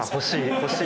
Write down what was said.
欲しい。